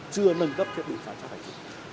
chưa nâng cấp thiết bị giám sát hành trình